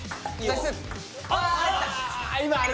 ああ